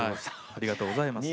ありがとうございます。